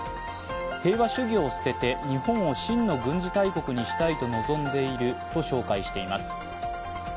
平和主義を捨てて日本を真の軍事大国にしたいと望んでいると紹介しています。